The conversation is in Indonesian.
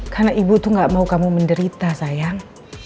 karena ibu tuh gak mau kamu menderita sayang